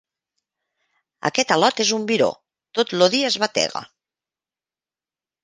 Aquest al·lot és un viró, tot lo dia es batega.